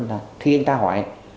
mày không xâm phạm